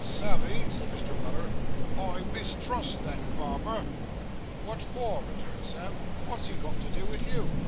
'Sammy,' said Mr. Weller, 'I mistrust that barber.' 'Wot for?' returned Sam; 'wot's he got to do with you?